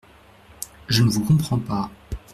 Je ne vous comprends pas.